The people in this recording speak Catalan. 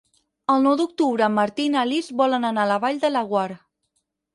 El nou d'octubre en Martí i na Lis volen anar a la Vall de Laguar.